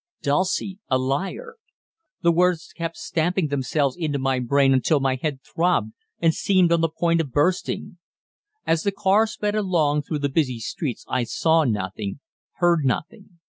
Dulcie a liar! The words kept stamping themselves into my brain until my head throbbed and seemed on the point of bursting. As the car sped along through the busy streets I saw nothing, heard nothing.